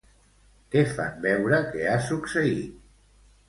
Què fan veure que ha succeït?